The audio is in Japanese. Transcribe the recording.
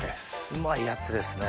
うまいやつですね